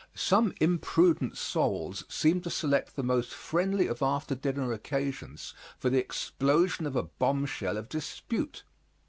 Some imprudent souls seem to select the most friendly of after dinner occasions for the explosion of a bomb shell of dispute.